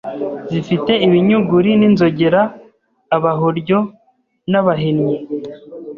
zifite ibinyuguri n’inzogera abahoryo n’abahennyi